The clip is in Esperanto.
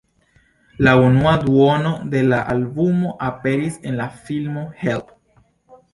La unua duono de la albumo aperis en la filmo "Help!